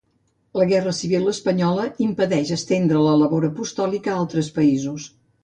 La guerra civil espanyola impedeix estendre la labor apostòlica a altres països.